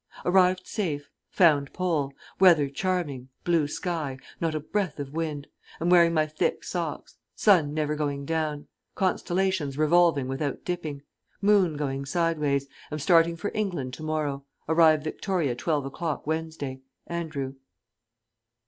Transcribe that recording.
_ Arrived safe. Found Pole. Weather charming. Blue sky. Not a breath of wind. Am wearing my thick socks. Sun never going down. Constellations revolving without dipping. Moon going sideways. Am starting for England to morrow. Arrive Victoria twelve o'clock, Wednesday. ANDREW."